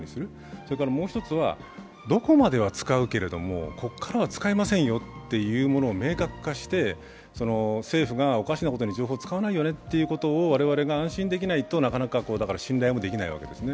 それからもう一つはどこまでは使うけれどもここからは使いませんよというのを明確化して、政府がおかしなことに情報を使わないよねということをしないと我々が安心できないと、なかなか信頼もできないわけですね。